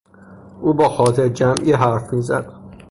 او با خاطر جمعی حرف میزد.